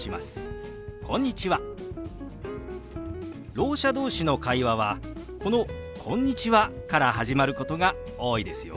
ろう者同士の会話はこの「こんにちは」から始まることが多いですよ。